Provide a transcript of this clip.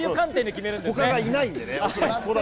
他がいないんでね。